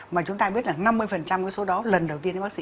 mà chúng ta biết là năm mươi số đó lần đầu tiên đến bác sĩ